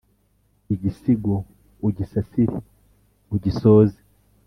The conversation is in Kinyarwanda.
igisigo ugisasire ugisoze